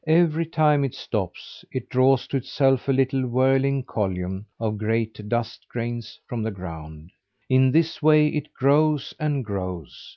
Every time it stops, it draws to itself a little whirling column of gray dust grains from the ground. In this way it grows and grows.